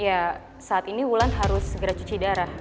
ya saat ini wulan harus segera cuci darah